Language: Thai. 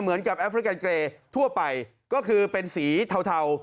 เหมือนกับแอฟริกันเกย์ทั่วไปก็คือเป็นสีเทาเทา